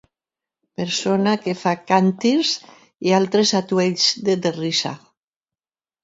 Persona que fa càntirs i altres atuells de terrissa.